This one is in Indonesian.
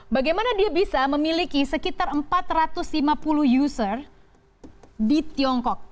bagaimana dia bisa memiliki sekitar empat ratus lima puluh user di tiongkok